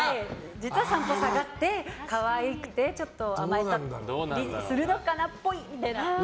実は３歩下がって可愛くてちょっと甘えたりするのかなっぽいみたいな。